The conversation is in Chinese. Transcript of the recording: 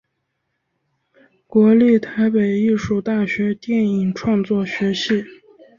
国立台北艺术大学电影创作学系